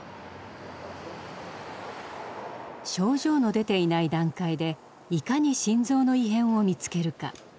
症状の出ていない段階でいかに心臓の異変を見つけるか。